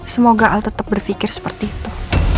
semoga al tetap berpikir seperti itu